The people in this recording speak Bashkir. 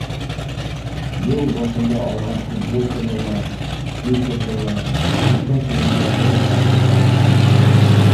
Йыл башында алған футболканы ла, свитерҙы ла, бүтән кейемдәрҙе лә тартып алдылар.